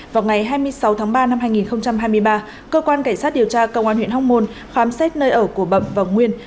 vào ngày hai mươi sáu tháng ba năm hai nghìn hai mươi ba cơ quan cảnh sát điều tra công an huyện hóc môn khám xét nơi ở của bậm và nguyên